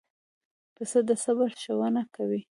پسه د صبر ښوونه کوي.